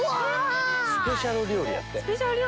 スペシャル料理やって。